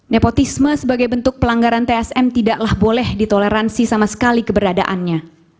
nepotisme sebagai bentuk pelanggaran tsm tidaklah boleh ditoleransi sama sekali keberadaannya